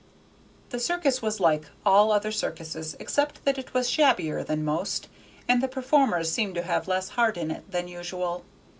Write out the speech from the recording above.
The circus was like all other circuses, except that it was shabbier than most, and the performers seemed to have less heart in it than usual.